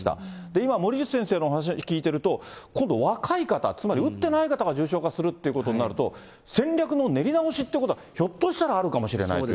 今、森内先生のお話聞いてると、今度若い方、つまり打ってない方が重症化するっていうことになると、戦略の練り直しということは、ひょっとしたらあるかもしれないという。